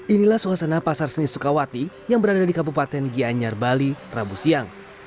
inilah suasana pasar seni sukawati yang berada di kabupaten gianyar bali rabu siang